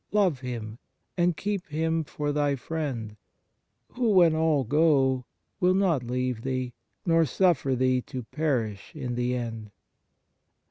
... Love Him and keep Him for thy Friend, who when all go will not leave thee, nor suffer thee to perish in the end."